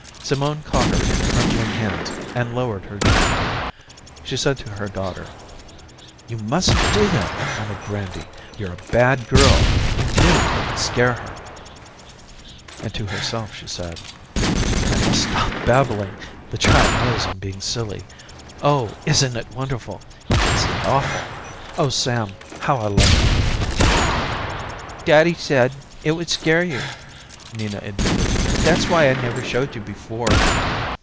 Simone caught her in trembling hands and lowered her gently. She said to her daughter, "You mustn't do that in front of Grandy. You're a bad girl, you knew it would scare her," and to herself she said: I must stop babbling, the child knows I'm being silly. O isn't it wonderful, isn't it awful, O Sam, how I love you. "Daddy said it would scare you," Nina admitted. "That's why I never showed you before."